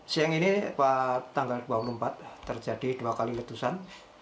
siang ini pada tanggal dua puluh empat terjadi dua kali letusan